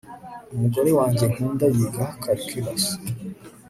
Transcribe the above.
umugore wanjye nkunda yiga calculus